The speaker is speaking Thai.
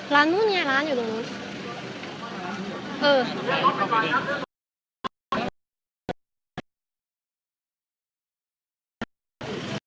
ร้านนู้นเนี่ยร้านอยู่ตรงนู้นเออ